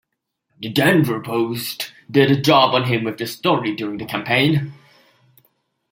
"The "Denver Post" did a job on him with this story during the campaign.